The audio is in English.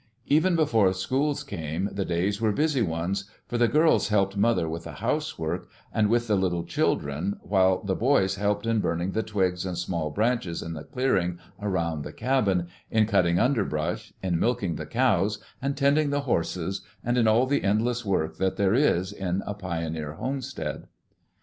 Even before schools came the days were busy ones, for the girls helped mother with the housework and with the little children, while the boys helped in burning the twigs and small branches in the clearing around the cabin, in cutting underbrush, in milking the cows and tending the horses, and in all the endless work that there is in a pioneer homestead.